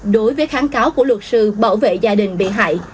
đối với kháng cáo của luật sư bảo vệ gia đình bị hại